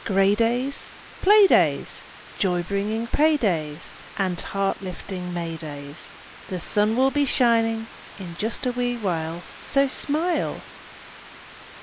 Gray days? Play days! Joy bringing pay days And heart lifting May days! The sun will be shining in just a wee while So smile!